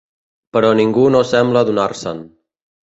Però ningú no sembla adonar-se'n.